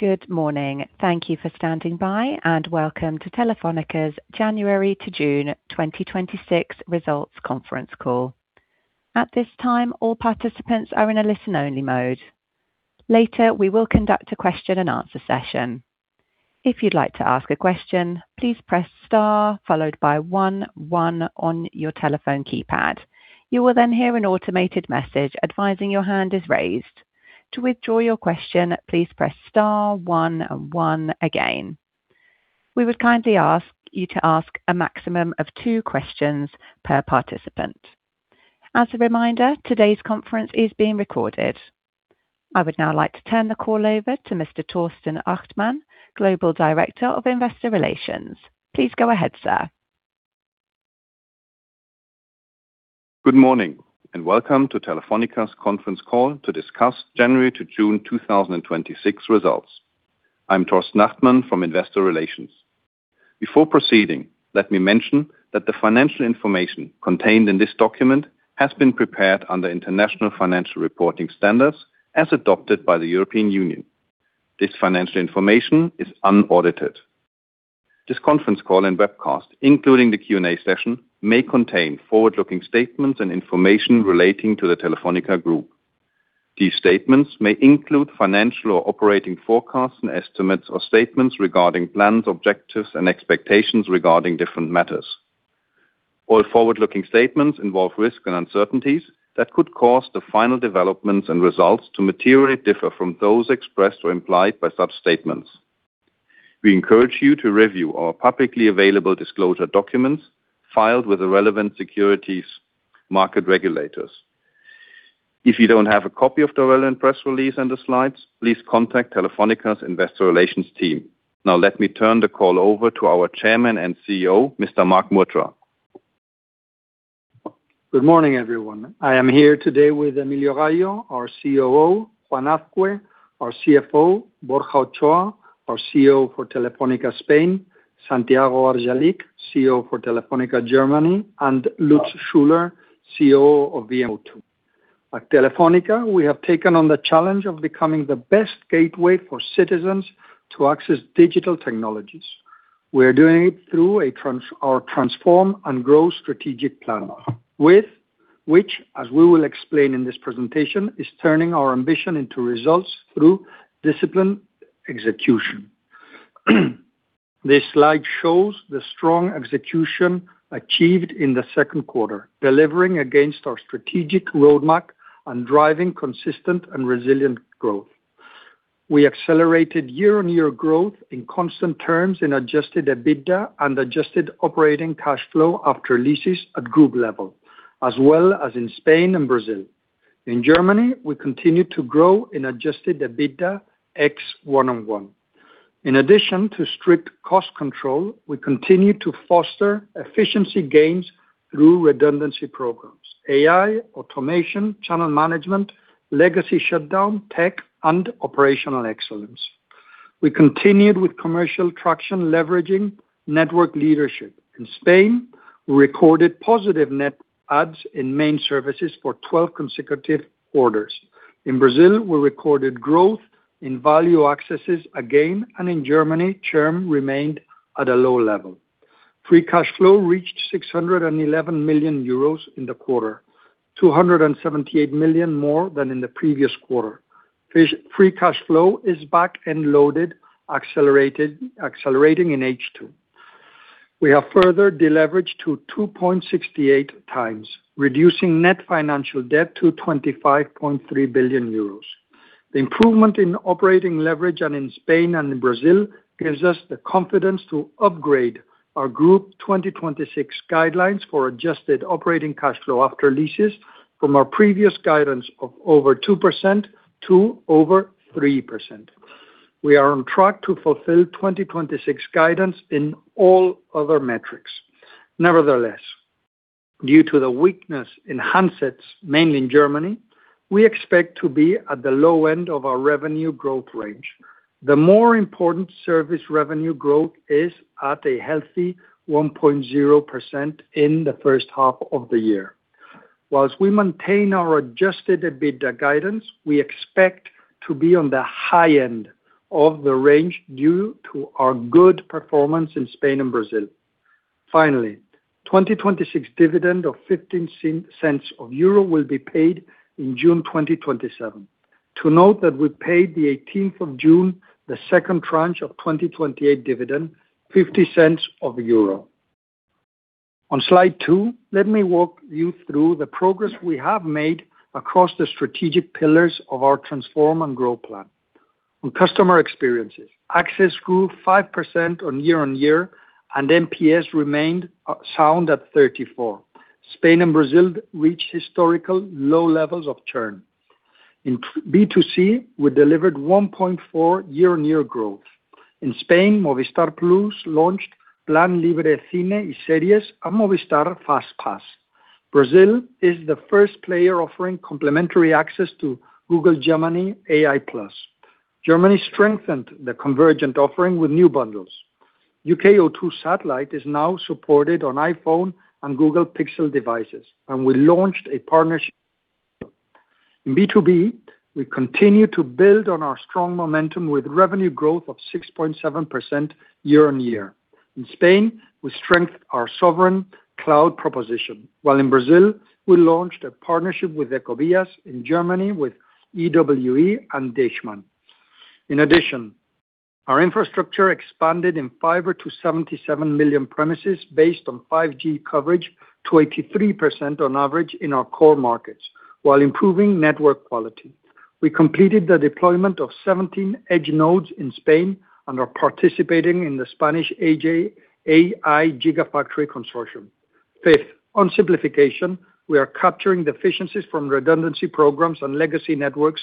Good morning. Thank you for standing by, and welcome to Telefónica's January to June 2026 results conference call. At this time, all participants are in a listen-only mode. Later, we will conduct a question-and-answer session. If you'd like to ask a question, please press star, followed by one one on your telephone keypad. You will then hear an automated message advising your hand is raised. To withdraw your question, please press star one one again. We would kindly ask you to ask a maximum of two questions per participant. As a reminder, today's conference is being recorded. I would now like to turn the call over to Mr. Torsten Achtmann, Global Director of Investor Relations. Please go ahead, sir. Good morning. Welcome to Telefónica's conference call to discuss January to June 2026 results. I'm Torsten Achtmann from Investor Relations. Before proceeding, let me mention that the financial information contained in this document has been prepared under international financial reporting standards as adopted by the European Union. This financial information is unaudited. This conference call and webcast, including the Q&A session, may contain forward-looking statements and information relating to the Telefónica Group. These statements may include financial or operating forecasts and estimates or statements regarding plans, objectives, and expectations regarding different matters. All forward-looking statements involve risk and uncertainties that could cause the final developments and results to materially differ from those expressed or implied by such statements. We encourage you to review our publicly available disclosure documents filed with the relevant securities market regulators. If you don't have a copy of the relevant press release and the slides, please contact Telefónica's investor relations team. Let me turn the call over to our Chairman and CEO, Mr. Marc Murtra. Good morning, everyone. I am here today with Emilio Gayo, our COO, Juan Azcue, our CFO, Borja Ochoa, our CEO for Telefónica Spain, Santiago Argelich, CEO for Telefónica Germany, and Lutz Schüler, CEO of VMO2. At Telefónica, we have taken on the challenge of becoming the best gateway for citizens to access digital technologies. We are doing it through our Transform and Grow strategic plan, with which, as we will explain in this presentation, is turning our ambition into results through disciplined execution. This slide shows the strong execution achieved in the second quarter, delivering against our strategic roadmap and driving consistent and resilient growth. We accelerated year-on-year growth in constant terms in adjusted EBITDA and adjusted operating cash flow after leases at group level, as well as in Spain and Brazil. In Germany, we continued to grow in adjusted EBITDA ex 1&1. In addition to strict cost control, we continue to foster efficiency gains through redundancy programs, AI, automation, channel management, legacy shutdown, tech, and operational excellence. We continued with commercial traction leveraging network leadership. In Spain, we recorded positive net adds in main services for 12 consecutive quarters. In Brazil, we recorded growth in value accesses again, and in Germany, churn remained at a low level. Free cash flow reached 611 million euros in the quarter, 278 million more than in the previous quarter. Free cash flow is back and loaded, accelerating in H2. We have further deleveraged to 2.68x, reducing net financial debt to 25.3 billion euros. The improvement in operating leverage and in Spain and in Brazil gives us the confidence to upgrade our Group 2026 guidelines for adjusted Operating Cash Flow after Leases from our previous guidance of over 2% to over 3%. We are on track to fulfill 2026 guidance in all other metrics. Nevertheless, due to the weakness in handsets, mainly in Germany, we expect to be at the low end of our revenue growth range. The more important service revenue growth is at a healthy 1.0% in the first half of the year. We maintain our adjusted EBITDA guidance, we expect to be on the high end of the range due to our good performance in Spain and Brazil. Finally, 2026 dividend of 0.15 will be paid in June 2027. To note that we paid in June 18th the second tranche of 2028 dividend, 0.50. On slide two, let me walk you through the progress we have made across the strategic pillars of our Transform & Grow plan. On customer experiences, access grew 5% year-on-year and NPS remained sound at 34. Spain and Brazil reached historical low levels of churn. In B2C, we delivered 1.4% year-on-year growth. In Spain, Movistar Plus+ launched Plan Libre: Cine y Series and Movistar Fast Pass. Brazil is the first player offering complimentary access to Google Gemini AI Plus. Germany strengthened the convergent offering with new bundles. U.K. O2 Satellite is now supported on iPhone and Google Pixel devices, and we launched a partnership. In B2B, we continue to build on our strong momentum with revenue growth of 6.7% year-on-year. In Spain, we strengthened our sovereign cloud proposition, while in Brazil, we launched a partnership with EcoRodovias, in Germany with EWE and Deichmann. In addition, our infrastructure expanded in fiber to 77 million premises based on 5G coverage to 83% on average in our core markets, while improving network quality. We completed the deployment of 17 edge nodes in Spain and are participating in the Spanish AI Gigafactory Consortium. Fifth, on simplification, we are capturing the efficiencies from redundancy programs and legacy networks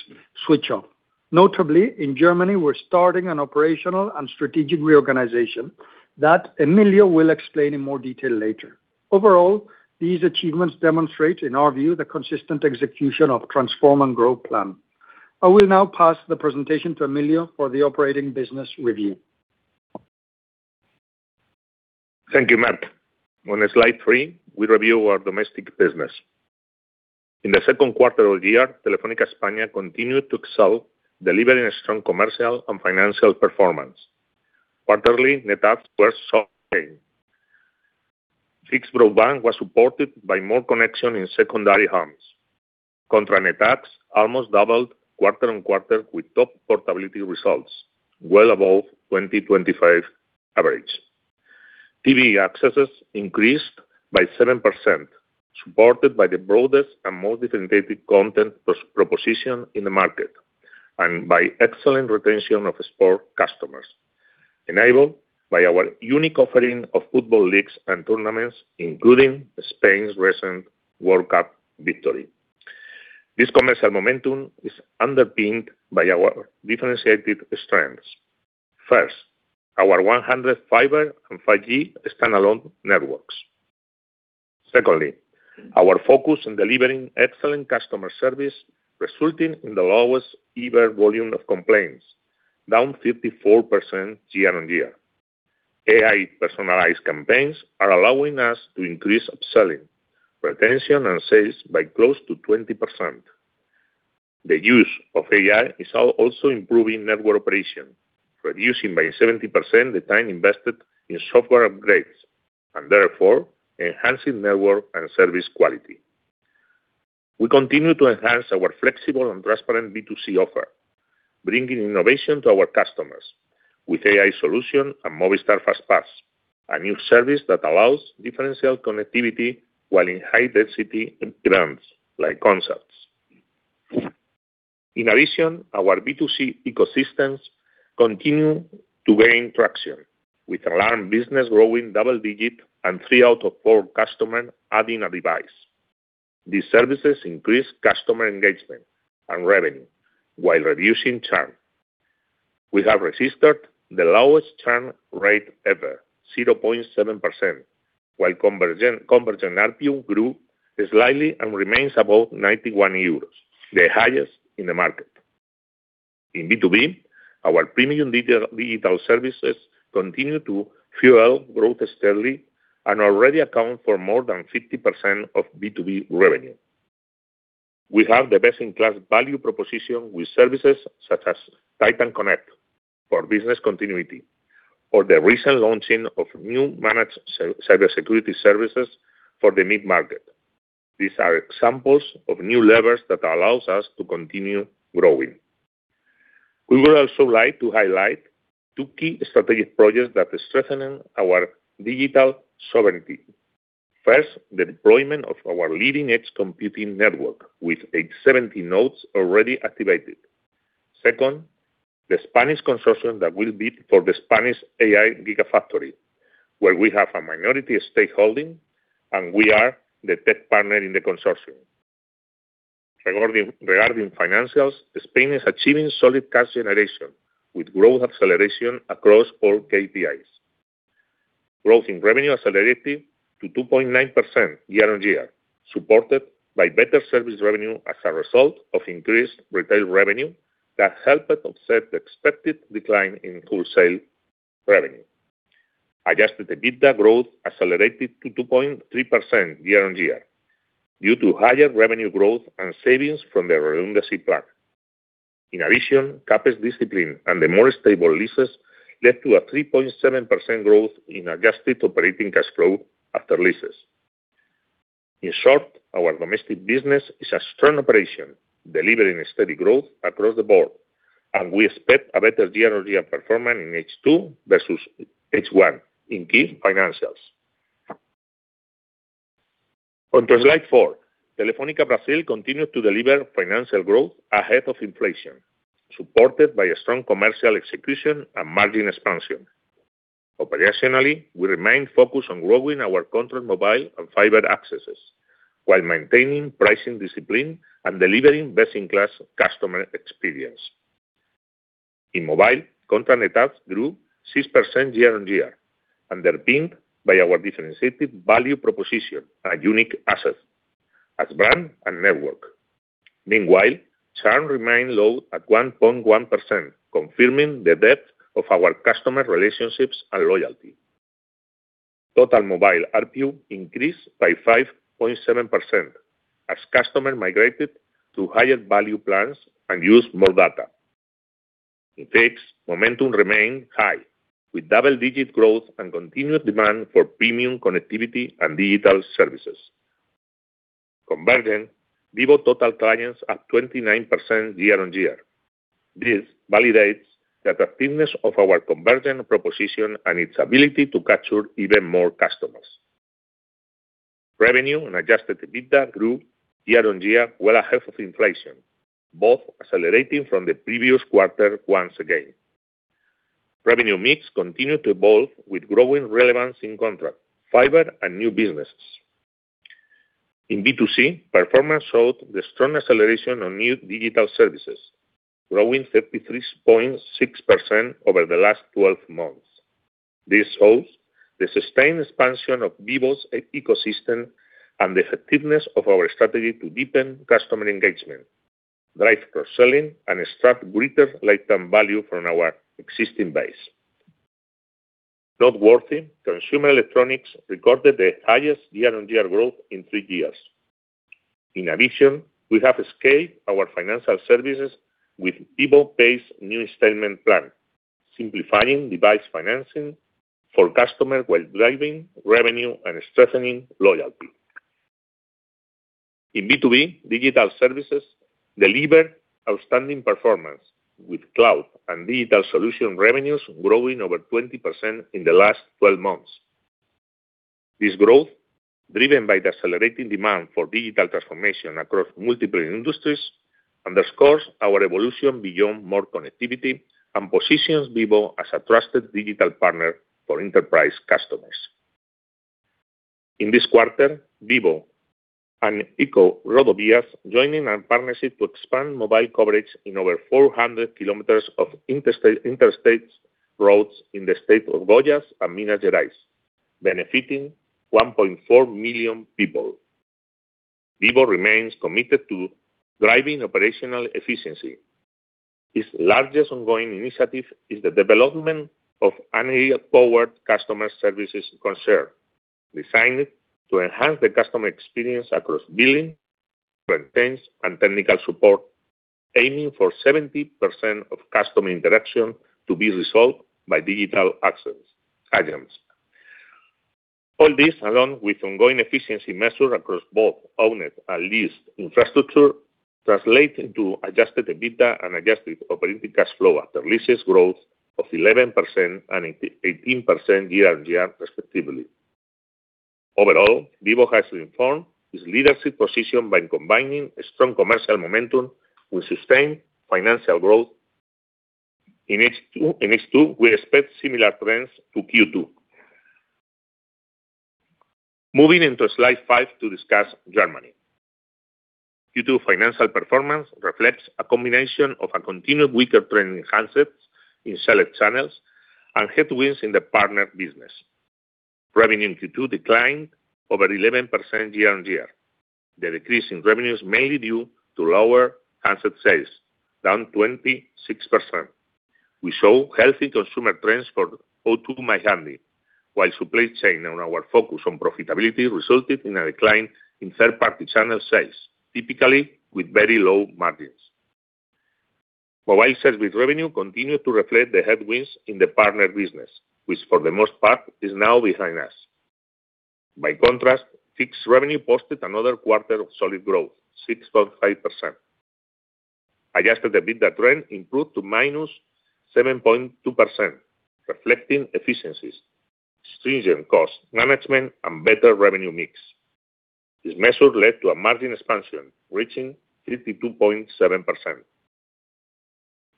switch-off. In Germany, we're starting an operational and strategic reorganization that Emilio will explain in more detail later. Overall, these achievements demonstrate, in our view, the consistent execution of Transform & Growth plan. I will now pass the presentation to Emilio for the operating business review. Thank you, Marc. On slide three, we review our domestic business. In the second quarter of the year, Telefónica España continued to excel, delivering a strong commercial and financial performance. Quarterly net adds were strong. Fixed broadband was supported by more connection in secondary homes. Contract net adds almost doubled quarter-on-quarter with top portability results well above 2025 average. TV accesses increased by 7%, supported by the broadest and most differentiated content proposition in the market, and by excellent retention of sport customers, enabled by our unique offering of football leagues and tournaments, including Spain's recent World Cup victory. This commercial momentum is underpinned by our differentiated strengths. First, our 100 fiber and 5G standalone networks. Secondly, our focus on delivering excellent customer service, resulting in the lowest ever volume of complaints, down 54% year-on-year. AI personalized campaigns are allowing us to increase upselling, retention, and sales by close to 20%. The use of AI is also improving network operation, reducing by 70% the time invested in software upgrades, and therefore enhancing network and service quality. We continue to enhance our flexible and transparent B2C offer, bringing innovation to our customers with AI solution and Movistar Fast Pass, a new service that allows differential connectivity while in high density environments like concerts. In addition, our B2C ecosystems continue to gain traction, with alarm business growing double digit and three out of four customers adding a device. These services increase customer engagement and revenue while reducing churn. We have registered the lowest churn rate ever, 0.7%, while convergent ARPU grew slightly and remains above 91 euros, the highest in the market. In B2B, our premium digital services continue to fuel growth steadily and already account for more than 50% of B2B revenue. We have the best-in-class value proposition with services such as Titan Connect for business continuity, or the recent launching of new managed cybersecurity services for the mid-market. These are examples of new levers that allows us to continue growing. We would also like to highlight two key strategic projects that are strengthening our digital sovereignty. First, the deployment of our leading edge computing network with 870 nodes already activated. Second, the Spanish consortium that will bid for the Spanish AI Gigafactory, where we have a minority stake holding and we are the tech partner in the consortium. Regarding financials, Spain is achieving solid cash generation with growth acceleration across all KPIs. Growth in revenue accelerated to 2.9% year-on-year, supported by better service revenue as a result of increased retail revenue that helped offset the expected decline in wholesale revenue. Adjusted EBITDA growth accelerated to 2.3% year-on-year due to higher revenue growth and savings from the redundancy plan. In addition, CapEx discipline and the more stable leases led to a 3.7% growth in adjusted operating cash flow after leases. In short, our domestic business is a strong operation, delivering steady growth across the board, and we expect a better year-on-year performance in H2 versus H1 in key financials. On to slide four. Telefónica Brasil continued to deliver financial growth ahead of inflation, supported by a strong commercial execution and margin expansion. Operationally, we remain focused on growing our contract mobile and fiber accesses while maintaining pricing discipline and delivering best-in-class customer experience. In mobile, contract net adds grew 6% year-on-year, underpinned by our differentiated value proposition and unique assets as brand and network. Meanwhile, churn remained low at 1.1%, confirming the depth of our customer relationships and loyalty. Total mobile ARPU increased by 5.7% as customer migrated to higher value plans and used more data. In fixed, momentum remained high with double-digit growth and continuous demand for premium connectivity and digital services. Convergent, Vivo Total clients at 29% year-on-year. This validates the attractiveness of our convergent proposition and its ability to capture even more customers. Revenue and adjusted EBITDA grew year-on-year well ahead of inflation, both accelerating from the previous quarter once again. Revenue mix continued to evolve with growing relevance in contract, fiber, and new businesses. In B2C, performance showed the strong acceleration on new digital services, growing 33.6% over the last 12 months. This shows the sustained expansion of Vivo's ecosystem and the effectiveness of our strategy to deepen customer engagement, drive cross-selling, and extract greater lifetime value from our existing base. Noteworthy, consumer electronics recorded their highest year-on-year growth in three years. In addition, we have scaled our financial services with Vivo Pay's new installment plan, simplifying device financing for customer while driving revenue and strengthening loyalty. In B2B, digital services deliver outstanding performance with cloud and digital solution revenues growing over 20% in the last 12 months. This growth, driven by the accelerating demand for digital transformation across multiple industries, underscores our evolution beyond more connectivity and positions Vivo as a trusted digital partner for enterprise customers. In this quarter, Vivo and EcoRodovias joined in a partnership to expand mobile coverage in over 400 km of interstates roads in the state of Goiás and Minas Gerais, benefiting 1.4 million people. Vivo remains committed to driving operational efficiency. Its largest ongoing initiative is the development of an AI-powered customer services concern, designed to enhance the customer experience across billing, contents, and technical support, aiming for 70% of customer interaction to be resolved by digital actions. All this, along with ongoing efficiency measure across both owned and leased infrastructure, translate into adjusted EBITDA and adjusted operating cash flow after leases growth of 11% and 18% year-on-year respectively. Overall, Vivo has reinforced its leadership position by combining strong commercial momentum with sustained financial growth. In H2, we expect similar trends to Q2. Moving into slide five to discuss Germany. Q2 financial performance reflects a combination of a continued weaker trend in handsets in select channels and headwinds in the partner business. Revenue in Q2 declined over 11% year-on-year. The decrease in revenue is mainly due to lower handset sales, down 26%. We show healthy consumer trends for O2 My Handy, while supply chain and our focus on profitability resulted in a decline in third-party channel sales, typically with very low margins. Mobile service revenue continued to reflect the headwinds in the partner business, which for the most part is now behind us. By contrast, fixed revenue posted another quarter of solid growth, 6.5%. Adjusted EBITDA trend improved to -7.2%, reflecting efficiencies, stringent cost management, and better revenue mix. This measure led to a margin expansion, reaching 52.7%.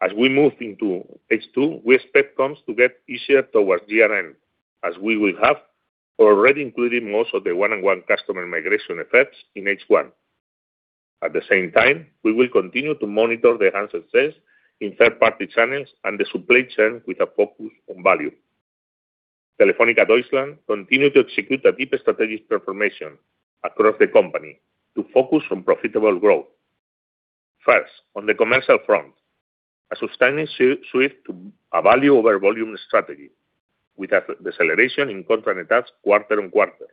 As we move into H2, we expect comps to get easier towards year-end, as we will have already included most of the 1&1 customer migration effects in H1. At the same time, we will continue to monitor the handset sales in third-party channels and the supply chain with a focus on value. Telefónica Deutschland continued to execute a deep strategic transformation across the company to focus on profitable growth. First, on the commercial front, a sustaining shift to a value over volume strategy with a deceleration in contract attach quarter on quarter.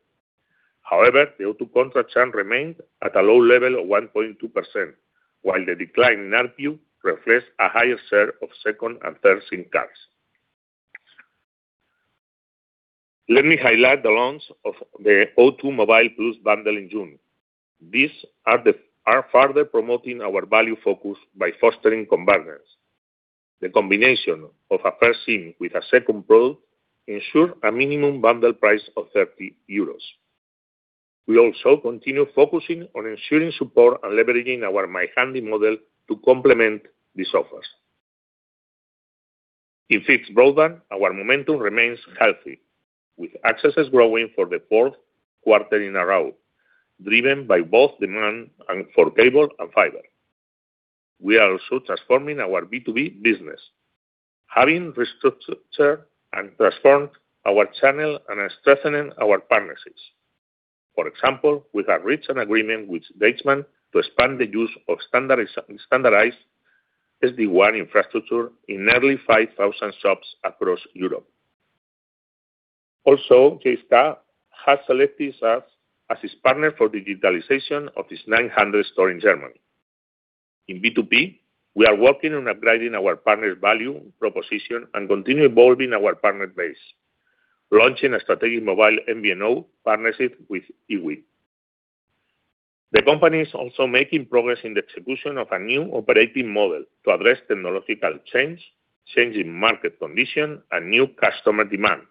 However, the O2 contract churn remained at a low level of 1.2%, while the decline in ARPU reflects a higher share of second and third SIM cards. Let me highlight the launch of the O2 Mobile Plus bundle in June. These are further promoting our value focus by fostering convergence. The combination of a first SIM with a second product ensure a minimum bundle price of 30 euros. We also continue focusing on ensuring support and leveraging our My Handy model to complement these offers. In fixed broadband, our momentum remains healthy, with accesses growing for the fourth quarter in a row, driven by both demand and for cable and fiber. We are also transforming our B2B business. Having restructured and transformed our channel and strengthening our partnerships. For example, we have reached an agreement with Deichmann to expand the use of standardized SD-WAN infrastructure in nearly 5,000 shops across Europe. Also, K-Stad has selected us as its partner for digitalization of its 900 stores in Germany. In B2B, we are working on upgrading our partners' value proposition and continue evolving our partner base, launching a strategic mobile MVNO partnership with EWE. The company is also making progress in the execution of a new operating model to address technological change, changing market conditions, and new customer demand.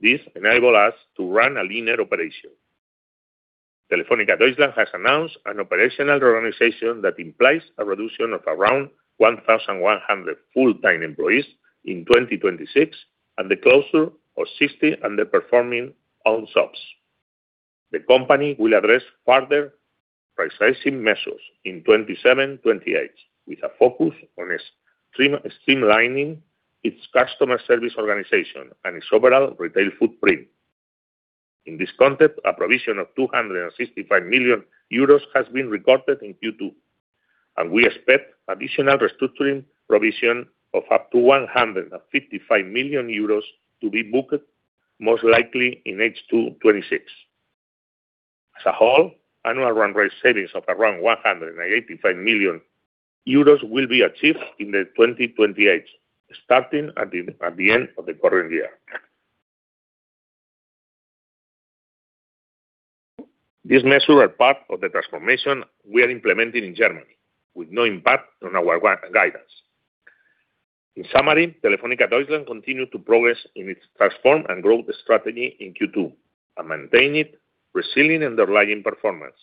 This enables us to run a leaner operation. Telefónica Deutschland has announced an operational reorganization that implies a reduction of around 1,100 full-time employees in 2026 and the closure of 60 underperforming owned shops. The company will address further restructuring measures in 2027, 2028, with a focus on streamlining its customer service organization and its overall retail footprint. In this context, a provision of 265 million euros has been recorded in Q2, and we expect additional restructuring provision of up to 155 million euros to be booked, most likely in H2 2026. As a whole, annual run rate savings of around 185 million euros will be achieved in 2028, starting at the end of the current year. These measures are part of the transformation we are implementing in Germany with no impact on our guidance. In summary, Telefónica Deutschland continued to progress in its Transform & Grow strategy in Q2 and maintained resilient underlying performance.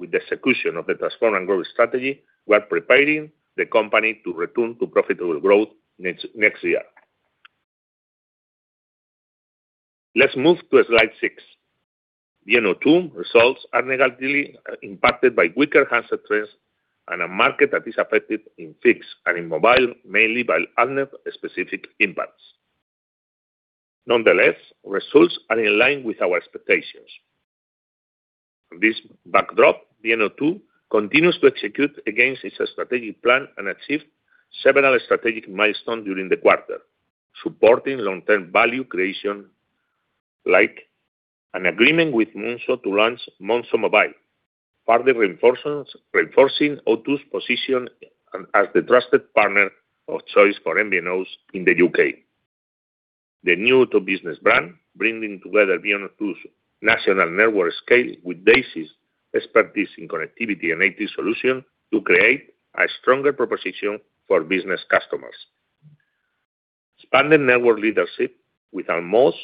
With the execution of the Transform & Grow strategy, we are preparing the company to return to profitable growth next year. Let's move to slide six. VMO2 results are negatively impacted by weaker handset trends and a market that is affected in fixed and in mobile, mainly by other specific impacts. Nonetheless, results are in line with our expectations. This backdrop, VMO2, continues to execute against its strategic plan and achieved several strategic milestones during the quarter, supporting long-term value creation, like an agreement with Monzo to launch Monzo Mobile, further reinforcing O2's position as the trusted partner of choice for MVNOs in the U.K. The new O2 Business brand, bringing together VMO2's national network scale with Basis' expertise in connectivity and IT solution to create a stronger proposition for business customers. Expanded network leadership with almost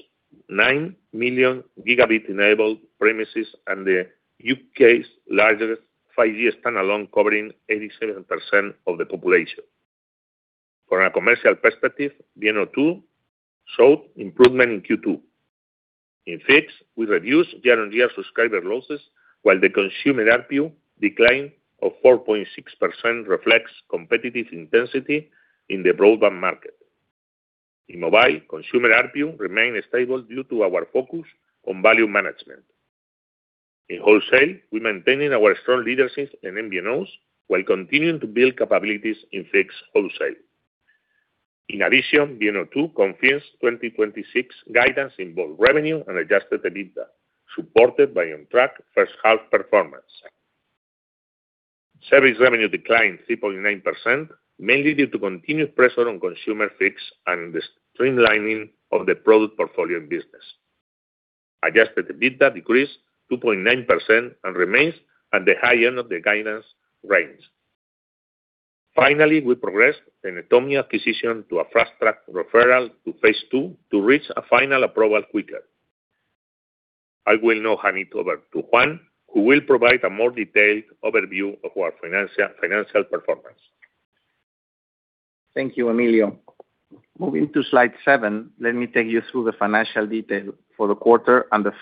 9 Mb enabled premises and the U.K.'s largest 5G standalone, covering 87% of the population. From a commercial perspective, VMO2 showed improvement in Q2. In fixed, we reduced year-on-year subscriber losses, while the consumer ARPU decline of 4.6% reflects competitive intensity in the broadband market. In mobile, consumer ARPU remained stable due to our focus on value management. In wholesale, we maintained our strong leadership in MVNOs while continuing to build capabilities in fixed wholesale. In addition, VMO2 confirms 2026 guidance in both revenue and adjusted EBITDA, supported by on-track first half performance. Service revenue declined 3.9%, mainly due to continued pressure on consumer fixed and the streamlining of the product portfolio in business. Adjusted EBITDA decreased 2.9% and remains at the high end of the guidance range. Finally, we progressed the Netomnia acquisition to a fast-track referral to phase II to reach a final approval quicker. I will now hand it over to Juan, who will provide a more detailed overview of our financial performance. Thank you, Emilio. Moving to slide seven, let me take you through the financial detail for the quarter and the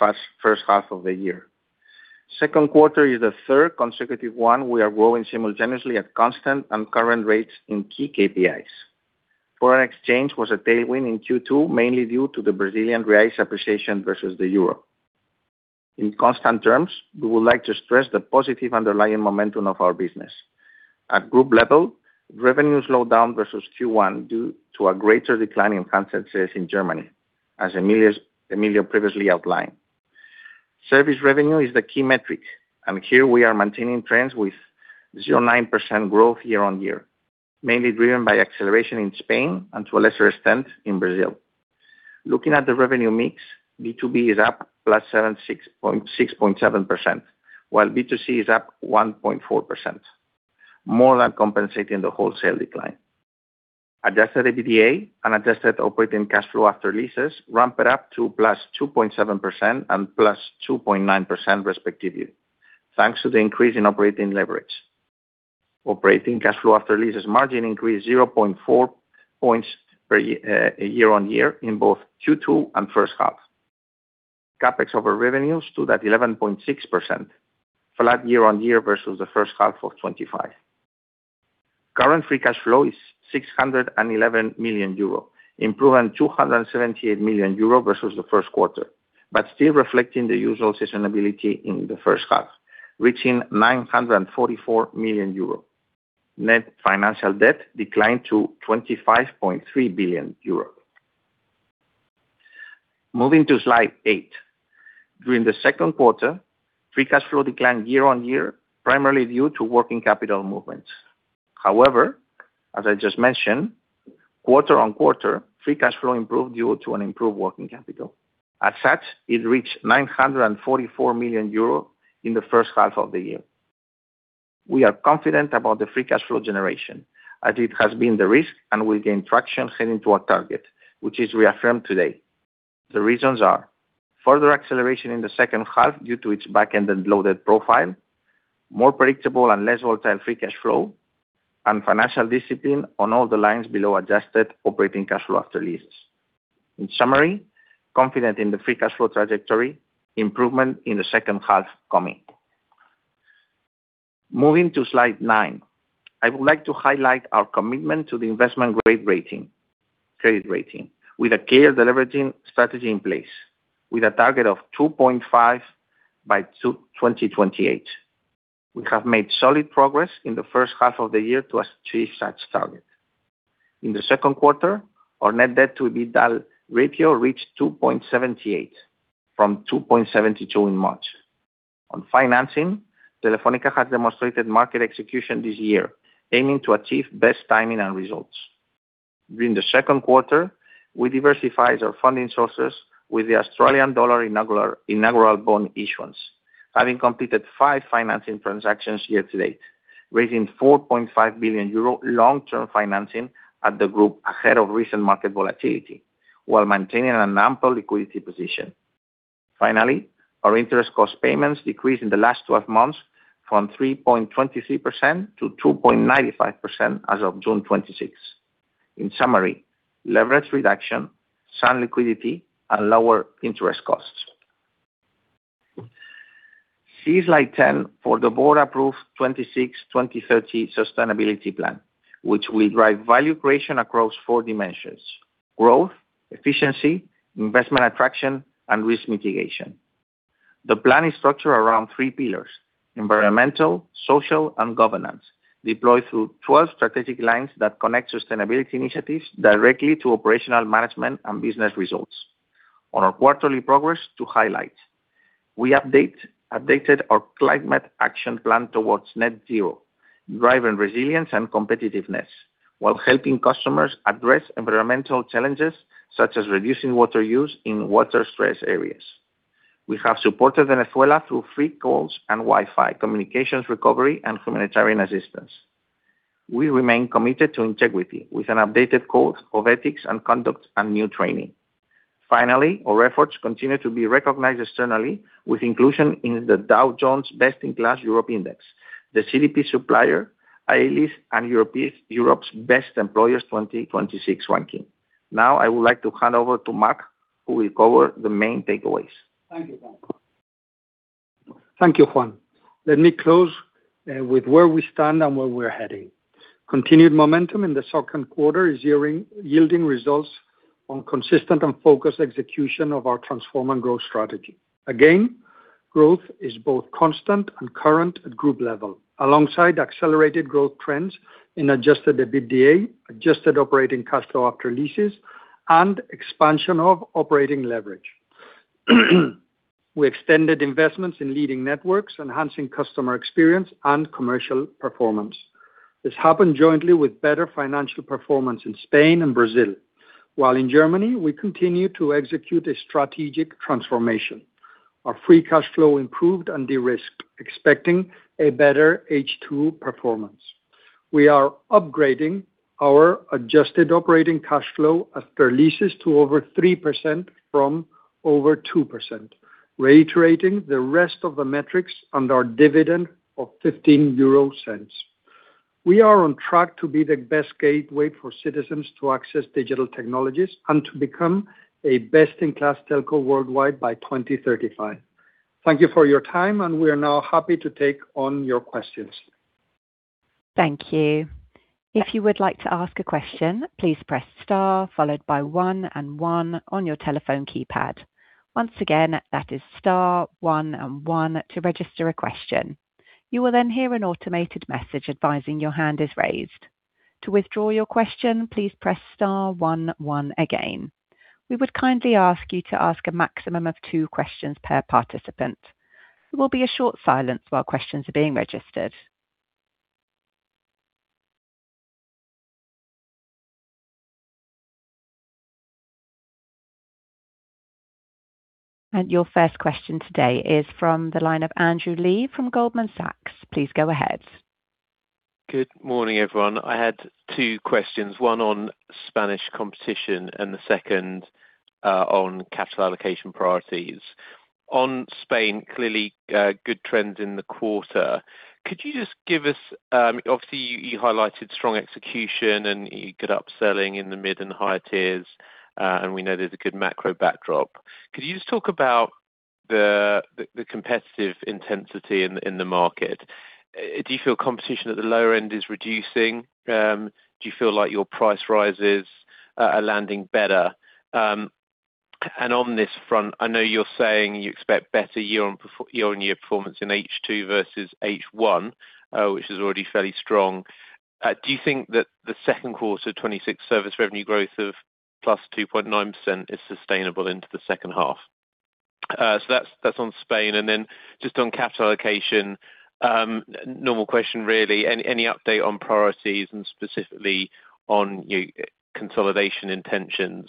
first half of the year. Second quarter is the third consecutive one we are growing simultaneously at constant and current rates in key KPIs. Foreign exchange was a tailwind in Q2, mainly due to the Brazilian reais appreciation versus the euro. In constant terms, we would like to stress the positive underlying momentum of our business. At group level, revenue slowed down versus Q1 due to a greater decline in handset sales in Germany, as Emilio previously outlined. Service revenue is the key metric, and here we are maintaining trends with 0.9% growth year-on-year, mainly driven by acceleration in Spain and to a lesser extent in Brazil. Looking at the revenue mix, B2B is up +76.7%, while B2C is up 1.4%, more than compensating the wholesale decline. Adjusted EBITDA and adjusted operating cash flow after leases ramp it up to +2.7% and +2.9% respectively, thanks to the increase in operating leverage. Operating cash flow after leases margin increased 0.4 points year-on-year in both Q2 and first half. CapEx over revenue stood at 11.6%, flat year-on-year versus the first half of 2025. Current free cash flow is 611 million euro, improving 278 million euro versus the first quarter, but still reflecting the usual seasonality in the first half, reaching 944 million euro. Net financial debt declined to 25.3 billion euro. Moving to slide eight. During the second quarter, free cash flow declined year-on-year, primarily due to working capital movements. However, as I just mentioned, quarter-on-quarter, free cash flow improved due to an improved working capital. As such, it reached 944 million euros in the first half of the year. We are confident about the free cash flow generation, as it has been de-risked and will gain traction heading to our target, which is reaffirmed today. The reasons are: further acceleration in the second half due to its back-end-loaded profile, more predictable and less volatile free cash flow, and financial discipline on all the lines below adjusted operating cash flow after leases. In summary, confident in the free cash flow trajectory, improvement in the second half coming. Moving to slide nine. I would like to highlight our commitment to the investment grade rating, credit rating, with a clear deleveraging strategy in place, with a target of 2.5 by 2028. We have made solid progress in the first half of the year to achieve such target. In the second quarter, our net debt to EBITDA ratio reached 2.78 from 2.72 in March. On financing, Telefónica has demonstrated market execution this year, aiming to achieve best timing and results. During the second quarter, we diversified our funding sources with the Australian dollar inaugural bond issuance, having completed five financing transactions year-to-date, raising 4.5 billion euro long-term financing at the group ahead of recent market volatility while maintaining an ample liquidity position. Finally, our interest cost payments decreased in the last 12 months from 3.23%-2.95% as of June 26. In summary, leverage reduction, sound liquidity, and lower interest costs. See slide 10 for the board-approved 2026-2030 Sustainability Plan, which will drive value creation across four dimensions: growth, efficiency, investment attraction, and risk mitigation. The plan is structured around three pillars: environmental, social, and governance, deployed through 12 strategic lines that connect sustainability initiatives directly to operational management and business results. On our quarterly progress to highlight, we updated our climate action plan towards net zero, driving resilience and competitiveness while helping customers address environmental challenges such as reducing water use in water-stressed areas. We have supported Venezuela through free calls and Wi-Fi communications recovery and humanitarian assistance. We remain committed to integrity with an updated code of ethics and conduct and new training. Finally, our efforts continue to be recognized externally with inclusion in the Dow Jones Best-in-Class Europe Index, the CDP Supplier A List, and Europe's Best Employers 2026 ranking. Now I would like to hand over to Marc, who will cover the main takeaways. Thank you, Juan. Let me close with where we stand and where we're heading. Continued momentum in the second quarter is yielding results on consistent and focused execution of our Transform & Grow strategy. Again, growth is both constant and current at group level, alongside accelerated growth trends in adjusted EBITDA, adjusted Operating Cash Flow after Leases, and expansion of operating leverage. We extended investments in leading networks, enhancing customer experience and commercial performance. This happened jointly with better financial performance in Spain and Brazil. While in Germany, we continue to execute a strategic transformation. Our free cash flow improved and de-risked, expecting a better H2 performance. We are upgrading our adjusted Operating Cash Flow after Leases to over 3% from over 2%, reiterating the rest of the metrics and our dividend of 0.15. We are on track to be the best gateway for citizens to access digital technologies and to become a best-in-class telco worldwide by 2035. Thank you for your time. We are now happy to take on your questions. Thank you. If you would like to ask a question, please press star, followed by one and one on your telephone keypad. Once again, that is star, one, and one to register a question. You will then hear an automated message advising your hand is raised. To withdraw your question, please press star, one one again. We would kindly ask you to ask a maximum of two questions per participant. There will be a short silence while questions are being registered. Your first question today is from the line of Andrew Lee from Goldman Sachs. Please go ahead. Good morning, everyone. I had two questions, one on Spanish competition and the second on capital allocation priorities. On Spain, clearly good trends in the quarter. Obviously, you highlighted strong execution and good upselling in the mid and higher tiers. We know there's a good macro backdrop. Could you just talk about the competitive intensity in the market. Do you feel competition at the lower end is reducing? Do you feel like your price rises are landing better? On this front, I know you're saying you expect better year-over-year performance in H2 versus H1, which is already fairly strong. Do you think that the second quarter 2026 service revenue growth of +2.9% is sustainable into the second half? That's on Spain, just on capital allocation. Normal question, really. Any update on priorities and specifically on your consolidation intentions?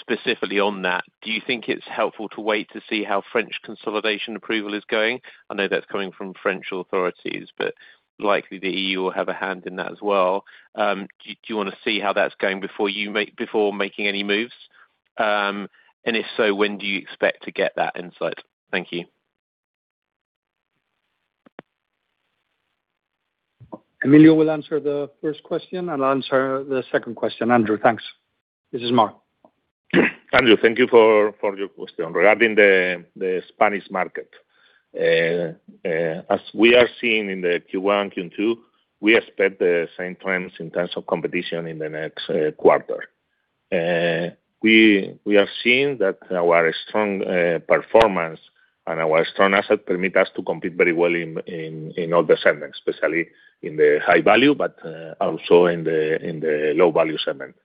Specifically on that, do you think it's helpful to wait to see how French consolidation approval is going? I know that's coming from French authorities, but likely the EU will have a hand in that as well. Do you want to see how that's going before making any moves? If so, when do you expect to get that insight? Thank you. Emilio will answer the first question. I'll answer the second question, Andrew. Thanks. This is Marc. Andrew, thank you for your question. Regarding the Spanish market, as we are seeing in the Q1, Q2, we expect the same trends in terms of competition in the next quarter. We have seen that our strong performance and our strong asset permit us to compete very well in all the segments, especially in the high value, but also in the low-value segment.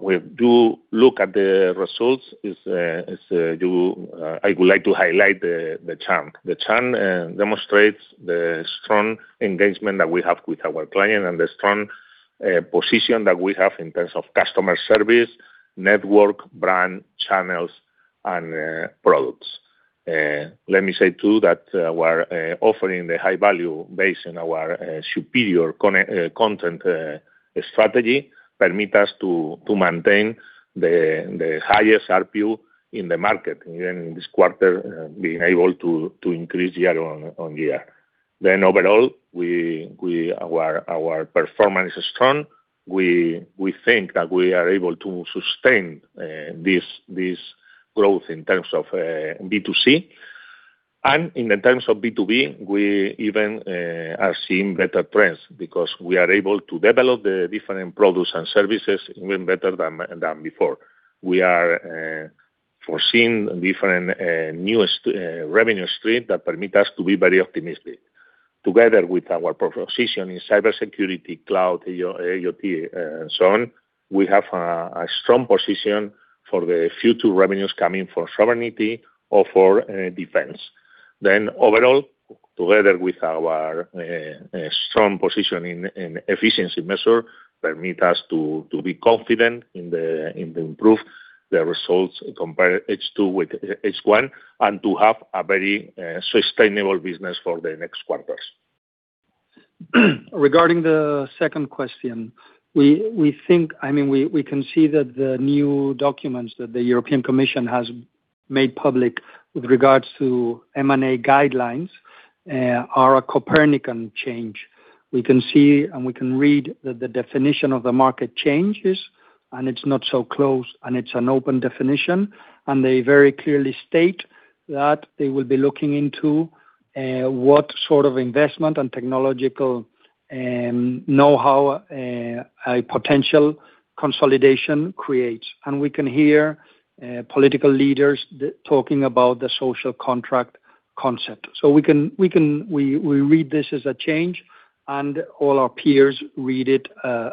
We do look at the results, I would like to highlight the churn. The churn demonstrates the strong engagement that we have with our client and the strong position that we have in terms of customer service, network, brand, channels, and products. Let me say, too, that we're offering the high value based on our superior content strategy permit us to maintain the highest RPU in the market, even in this quarter, being able to increase year-over-year. Overall, our performance is strong. We think that we are able to sustain this growth in terms of B2C and in the terms of B2B, we even are seeing better trends, because we are able to develop the different products and services even better than before. We are foreseeing different newest revenue stream that permit us to be very optimistic. Together with our proper position in cybersecurity, cloud, IoT, and so on, we have a strong position for the future revenues coming for sovereignty or for defense. Overall, together with our strong position in efficiency measure, permit us to be confident in the improved the results compare H2 with H1, and to have a very sustainable business for the next quarters. Regarding the second question, we can see that the new documents that the European Commission has made public with regards to M&A guidelines are a Copernican change. We can see, we can read that the definition of the market changes, and it's not so closed, and it's an open definition. They very clearly state that they will be looking into what sort of investment and technological know-how a potential consolidation creates. We can hear political leaders talking about the social contract concept. We read this as a change, all our peers read it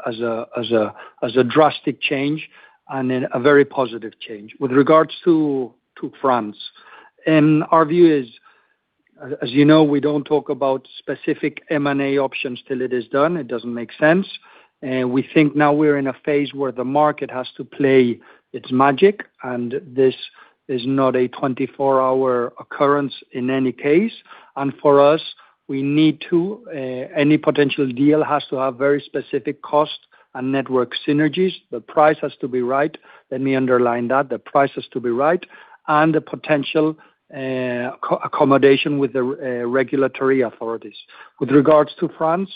as a drastic change, a very positive change. With regards to France, our view is, as you know, we don't talk about specific M&A options till it is done. It doesn't make sense. We think now we're in a phase where the market has to play its magic, and this is not a 24-hour occurrence in any case. For us, any potential deal has to have very specific cost and network synergies. The price has to be right. Let me underline that. The price has to be right, the potential accommodation with the regulatory authorities. With regards to France,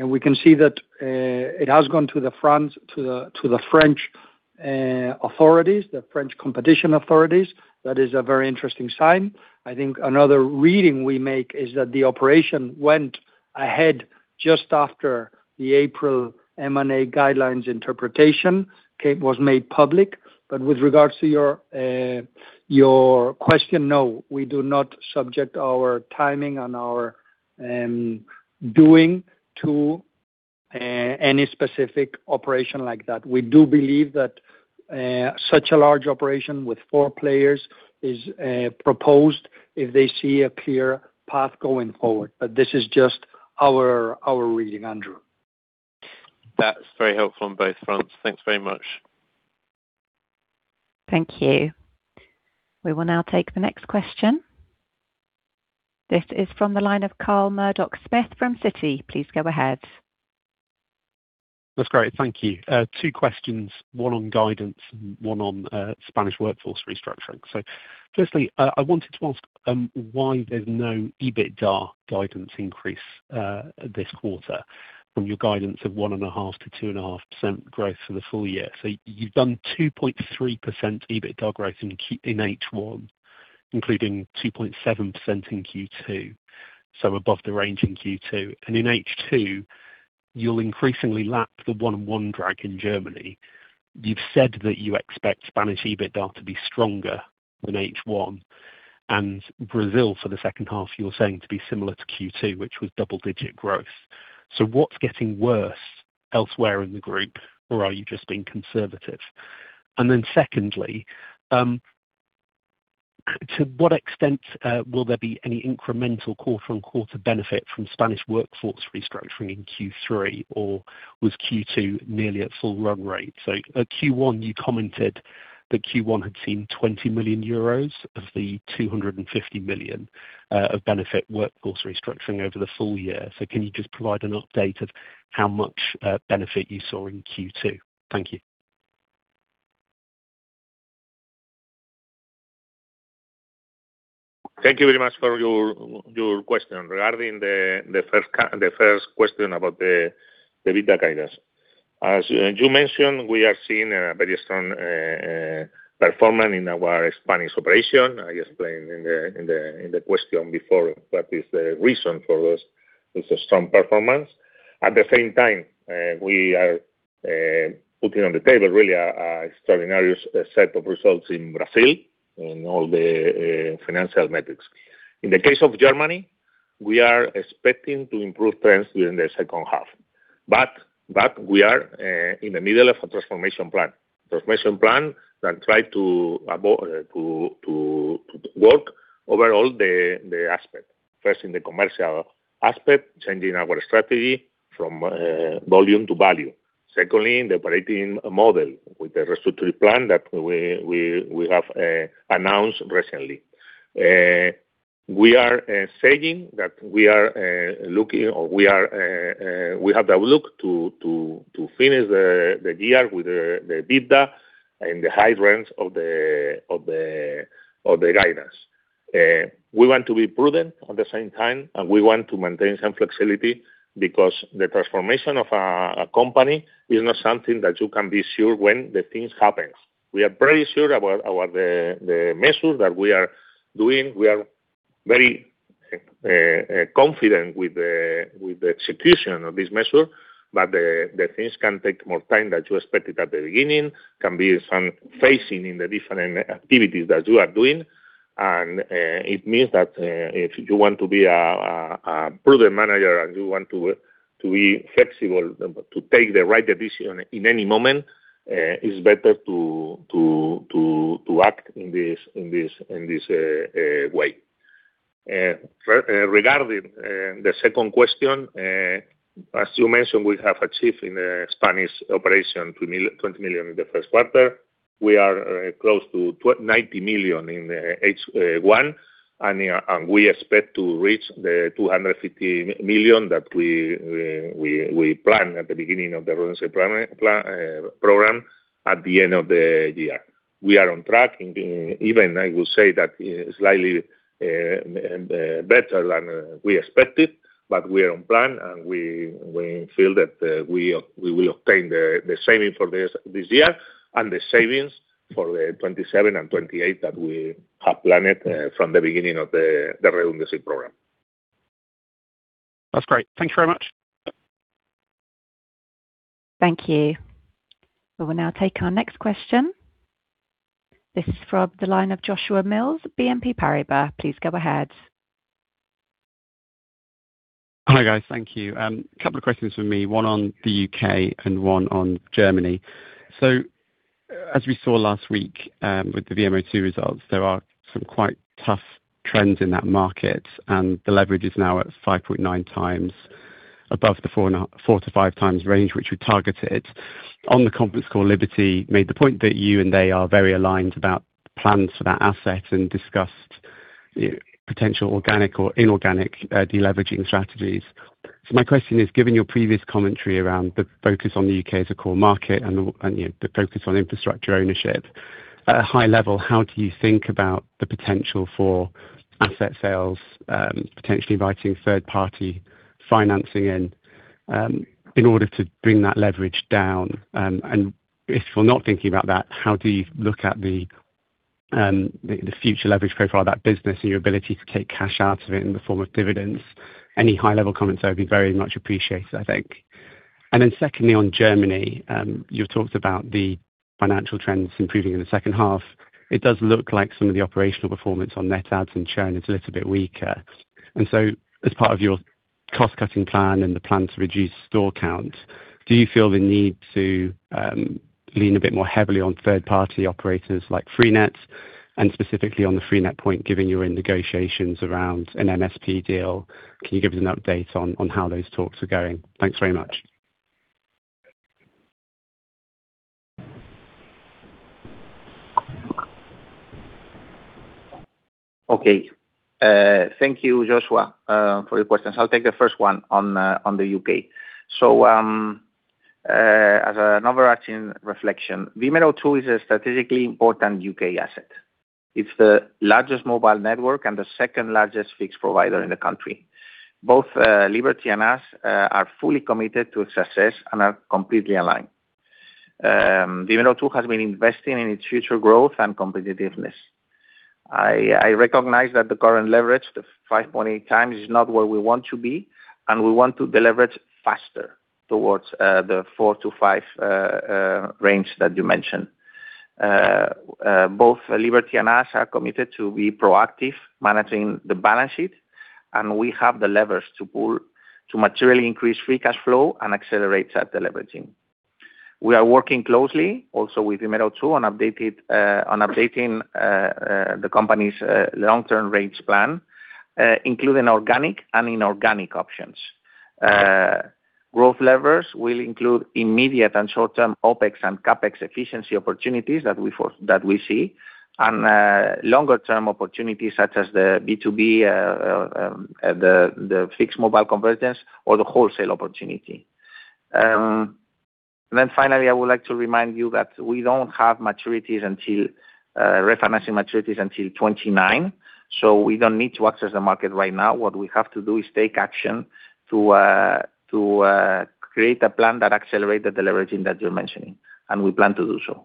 we can see that it has gone to the French authorities, the French competition authorities. That is a very interesting sign. I think another reading we make is that the operation went ahead just after the April M&A guidelines interpretation was made public. With regards to your question, no, we do not subject our timing and our doing to any specific operation like that. We do believe that such a large operation with four players is proposed if they see a clear path going forward. This is just our reading, Andrew. That's very helpful on both fronts. Thanks very much. Thank you. We will now take the next question. This is from the line of Carl Murdock-Smith from Citi. Please go ahead. That's great. Thank you. Two questions, one on guidance and one on Spanish workforce restructuring. Firstly, I wanted to ask why there's no EBITDA guidance increase this quarter from your guidance of 1.5%-2.5% growth for the full year. You've done 2.3% EBITDA growth in H1, including 2.7% in Q2, so above the range in Q2. In H2, you'll increasingly lap the 1.1 drag in Germany. You've said that you expect Spanish EBITDA to be stronger than H1, and Brazil for the second half you're saying to be similar to Q2, which was double digit growth. What's getting worse elsewhere in the group? Are you just being conservative? Then secondly, to what extent will there be any incremental quarter-on-quarter benefit from Spanish workforce restructuring in Q3, or was Q2 nearly at full run rate? At Q1 you commented that Q1 had seen 20 million euros of the 250 million of benefit workforce restructuring over the full year. Can you just provide an update of how much benefit you saw in Q2? Thank you. Thank you very much for your question. Regarding the first question about the EBITDA guidance. As you mentioned, we are seeing a very strong performance in our Spanish operation. I explained in the question before what is the reason for this strong performance. At the same time, we are putting on the table really, an extraordinary set of results in Brazil in all the financial metrics. In the case of Germany, we are expecting to improve trends during the second half, but we are in the middle of a transformation plan. Transformation plan that try to work over all the aspect. First in the commercial aspect, changing our strategy from volume to value. Secondly, the operating model with the restructuring plan that we have announced recently. We are saying that we have the look to finish the year with the EBITDA in the high range of the guidance. We want to be prudent at the same time, and we want to maintain some flexibility because the transformation of a company is not something that you can be sure when the things happen. We are pretty sure about the measure that we are doing. We are very confident with the execution of this measure, but the things can take more time than you expected at the beginning, can be some phasing in the different activities that you are doing. It means that if you want to be a prudent manager and you want to be flexible to take the right decision in any moment, it's better to act in this way. Regarding the second question, as you mentioned, we have achieved in the Spanish operation, 20 million in the first quarter. We are close to 90 million in H1, and we expect to reach the 250 million that we plan at the beginning of the redundancy program at the end of the year. We are on track, even I will say that slightly better than we expected, but we are on plan, and we feel that we will obtain the saving for this year and the savings for the 2027 and 2028 that we have planned from the beginning of the redundancy program. That's great. Thank you very much. Thank you. We will now take our next question. This is from the line of Joshua Mills, BNP Paribas. Please go ahead. Hi, guys. Thank you. Couple of questions from me, one on the U.K. and one on Germany. As we saw last week with the VMO2 results, there are some quite tough trends in that market, and the leverage is now at 5.9x above the 4x-5x range, which we targeted. On the conference call, Liberty made the point that you and they are very aligned about plans for that asset and discussed potential organic or inorganic deleveraging strategies. My question is, given your previous commentary around the focus on the U.K. as a core market and the focus on infrastructure ownership. At a high level, how do you think about the potential for asset sales, potentially inviting third party financing in order to bring that leverage down? If we're not thinking about that, how do you look at the future leverage profile of that business and your ability to take cash out of it in the form of dividends? Any high level comments there would be very much appreciated, I think. Secondly, on Germany, you've talked about the financial trends improving in the second half. It does look like some of the operational performance on net adds and churn is a little bit weaker. So as part of your cost cutting plan and the plan to reduce store count, do you feel the need to lean a bit more heavily on third party operators like Freenet? Specifically on the Freenet point, given you're in negotiations around an MSP deal, can you give us an update on how those talks are going? Thanks very much. Okay. Thank you, Joshua, for your questions. I'll take the first one on the U.K. As an overarching reflection, VMO2 is a strategically important U.K. asset. It's the largest mobile network and the second-largest fixed provider in the country. Both Liberty and us are fully committed to its success and are completely aligned. VMO2 has been investing in its future growth and competitiveness. I recognize that the current leverage of 5.8x is not where we want to be, and we want to deleverage faster towards the four to five range that you mentioned. Both Liberty and us are committed to be proactive, managing the balance sheet, and we have the levers to pull to materially increase free cash flow and accelerate that deleveraging. We are working closely also with VMO2 on updating the company's long-term range plan, including organic and inorganic options. Growth levers will include immediate and short-term OpEx and CapEx efficiency opportunities that we see, and longer-term opportunities such as the B2B, the fixed mobile convergence or the wholesale opportunity. Finally, I would like to remind you that we don't have refinancing maturities until 2029. We don't need to access the market right now. What we have to do is take action to create a plan that accelerates the deleveraging that you're mentioning, and we plan to do so.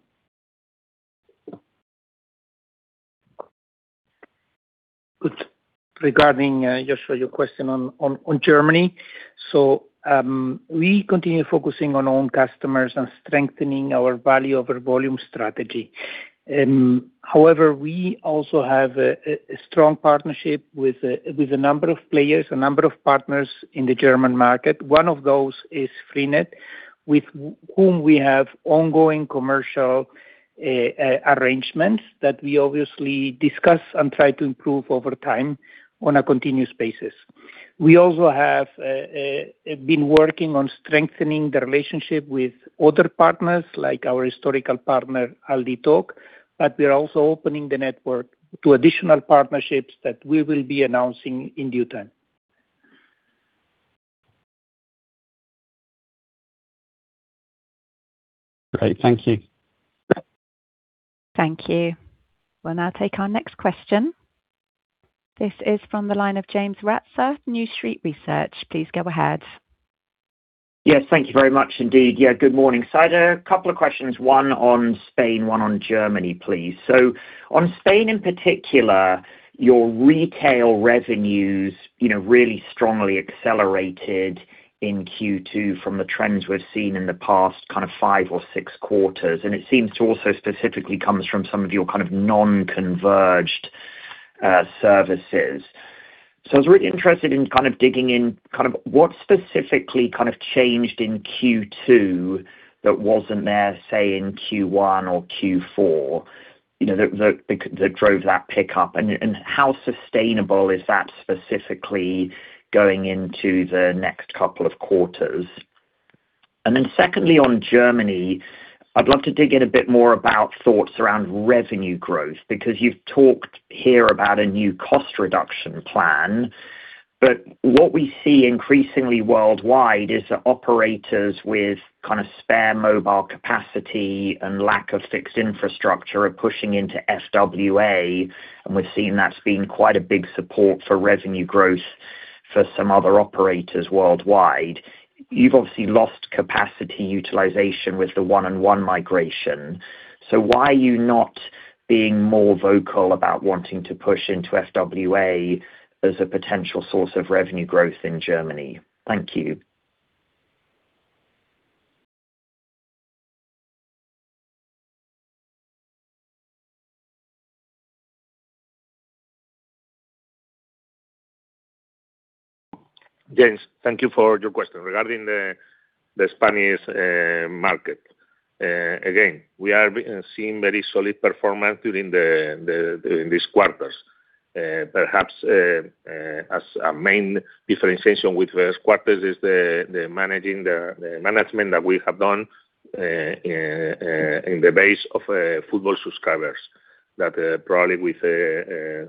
Good. Regarding, Joshua, your question on Germany. We continue focusing on own customers and strengthening our value over volume strategy. However, we also have a strong partnership with a number of players, a number of partners in the German market. One of those is Freenet, with whom we have ongoing commercial arrangements that we obviously discuss and try to improve over time on a continuous basis. We also have been working on strengthening the relationship with other partners, like our historical partner, ALDI TALK, but we are also opening the network to additional partnerships that we will be announcing in due time. Great. Thank you. Thank you. We'll now take our next question. This is from the line of James Ratzer, New Street Research. Please go ahead. Yes, thank you very much indeed. Yeah, good morning. I had a couple of questions, one on Spain, one on Germany, please. On Spain in particular, your retail revenues really strongly accelerated in Q2 from the trends we've seen in the past five or six quarters, it seems to also specifically comes from some of your non-converged services. So, I was really interested in kind of what specifically kind of changed in Q2 that wasn't there, say, in Q1 or Q4, you know, that drove that pickup? And how sustainable is that specifically going into the next couple of quarters? Secondly, on Germany, I'd love to dig in a bit more about thoughts around revenue growth, because you've talked here about a new cost reduction plan. What we see increasingly worldwide is that operators with spare mobile capacity and lack of fixed infrastructure are pushing into FWA, we've seen that's been quite a big support for revenue growth for some other operators worldwide. You've obviously lost capacity utilization with the 1&1 migration. Why are you not being more vocal about wanting to push into FWA as a potential source of revenue growth in Germany? Thank you. James, thank you for your question. Regarding the Spanish market, again, we are seeing very solid performance during these quarters. Perhaps, as a main differentiation with first quarters is the management that we have done in the base of football subscribers. That probably with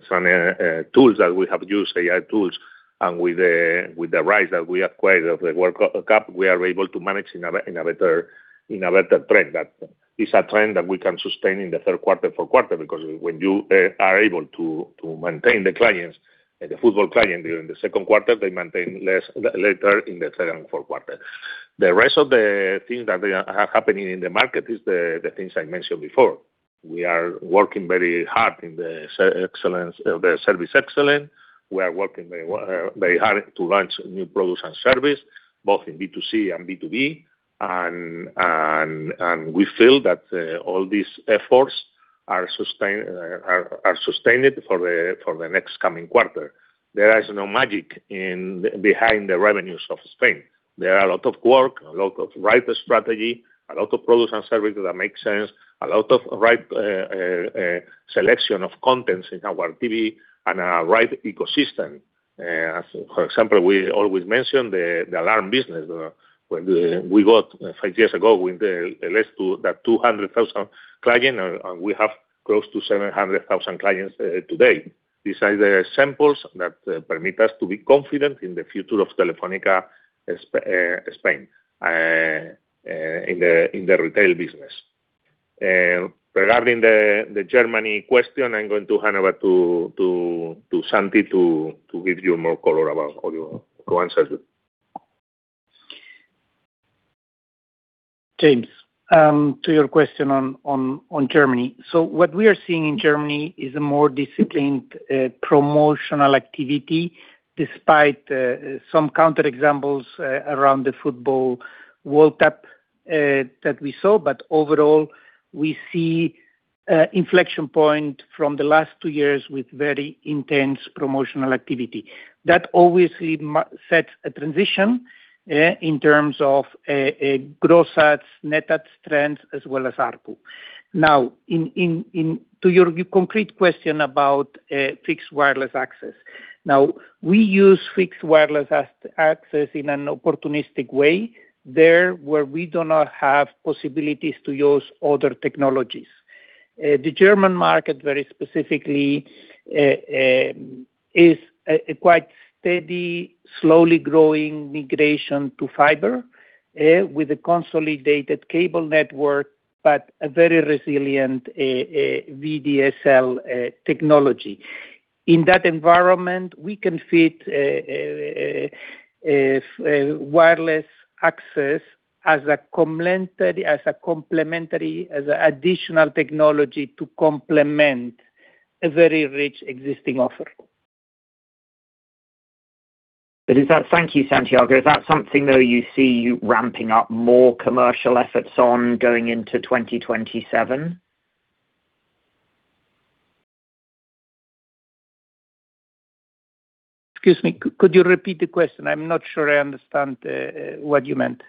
some AI tools that we have used, with the rise that we acquired of the World Cup, we are able to manage in a better trend. That is a trend that we can sustain in the third quarter, fourth quarter, because when you are able to maintain the football client during the second quarter, they maintain less later in the third and fourth quarter. The rest of the things that are happening in the market is the things I mentioned before. We are working very hard in the service excellence. We are working very hard to launch new products and service, both in B2C and B2B. We feel that all these efforts are sustained for the next coming quarter. There is no magic behind the revenues of Spain. There are a lot of work, a lot of right strategy, a lot of products and services that make sense, a lot of right selection of contents in our TV and a right ecosystem. For example, we always mention the alarm business, where we got five years ago with less than 200,000 clients, and we have close to 700,000 clients today. These are the examples that permit us to be confident in the future of Telefónica Spain, in the retail business. Regarding the Germany question, I'm going to hand over to Santi to give you more color about all your answers. James, to your question on Germany. What we are seeing in Germany is a more disciplined promotional activity, despite some counter examples around the football World Cup that we saw. Overall, we see inflection point from the last two years with very intense promotional activity. That obviously sets a transition in terms of gross adds, net adds trends as well as ARPU. To your concrete question about fixed wireless access. We use fixed wireless access in an opportunistic way there where we do not have possibilities to use other technologies. The German market, very specifically, is a quite steady, slowly growing migration to fiber, with a consolidated cable network, but a very resilient VDSL technology. In that environment, we can fit wireless access as an additional technology to complement a very rich existing offer. Thank you, Santiago. Is that something, though, you see you ramping up more commercial efforts on going into 2027? Excuse me, could you repeat the question? I'm not sure I understand what you meant.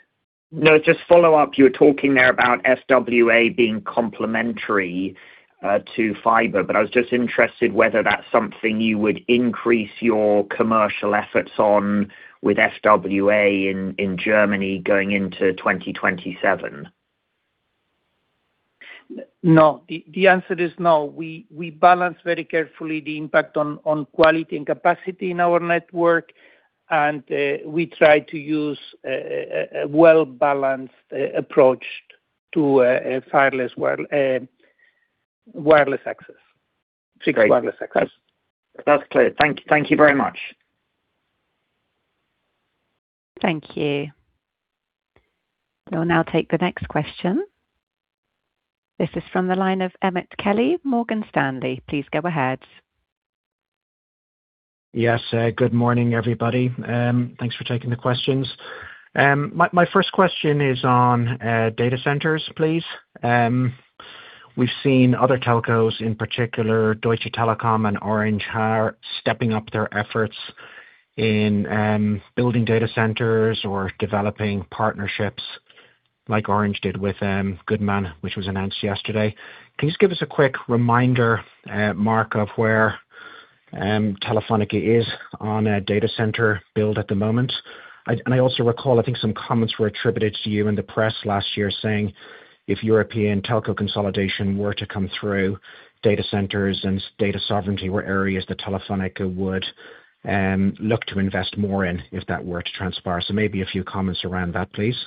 Just follow up. You were talking there about FWA being complementary to fiber. I was just interested whether that's something you would increase your commercial efforts on with FWA in Germany going into 2027. The answer is no. We balance very carefully the impact on quality and capacity in our network, we try to use a well-balanced approach to wireless access. Great. Fixed wireless access. That's clear. Thank you very much. Thank you. We will now take the next question. This is from the line of Emmet Kelly, Morgan Stanley. Please go ahead. Yes. Good morning, everybody. Thanks for taking the questions. My first question is on data centers, please. We have seen other telcos, in particular Deutsche Telekom and Orange, are stepping up their efforts in building data centers or developing partnerships like Orange did with Goodman, which was announced yesterday. Can you just give us a quick reminder, Marc, of where Telefónica is on a data center build at the moment? I also recall, I think some comments were attributed to you in the press last year saying, if European telco consolidation were to come through, data centers and data sovereignty were areas that Telefónica would look to invest more in if that were to transpire. So maybe a few comments around that, please.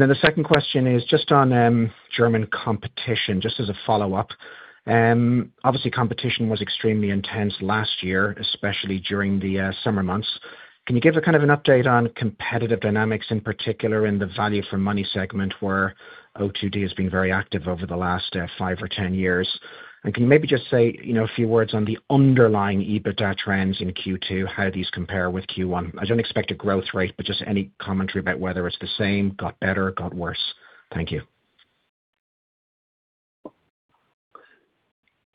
The second question is just on German competition, just as a follow-up. Obviously, competition was extremely intense last year, especially during the summer months. Can you give a kind of an update on competitive dynamics, in particular in the value for money segment where O2D has been very active over the last five or 10 years? Can you maybe just say a few words on the underlying EBITDA trends in Q2, how these compare with Q1? I do not expect a growth rate, but just any commentary about whether it is the same, got better, got worse. Thank you.